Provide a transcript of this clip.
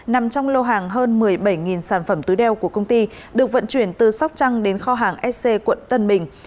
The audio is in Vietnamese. nằm trong lô hàng hơn một mươi bảy sản phẩm túi đeo của công ty được vận chuyển từ sóc trăng đến kho hàng sc quận tân bình